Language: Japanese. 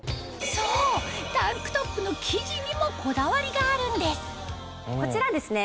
そうタンクトップの生地にもこだわりがあるんですこちらですね